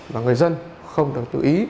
và người dân không được chú ý